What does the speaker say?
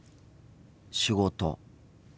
仕事。